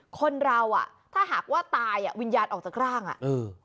คนเราอ่ะถ้าหากว่าตายอ่ะวิญญาณออกจากร่างอ่ะเออ